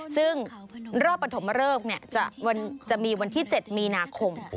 ซึ่งรอบปฐมเริกจะมีวันที่๗มีนาคม